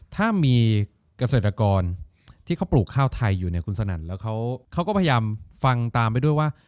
ถ้ามีเกษตรกรที่เขาปลูกข้าวไทยอยู่เนี่ยคุณสนั่นแล้วเขาก็พยายามฟังตามไปด้วยว่า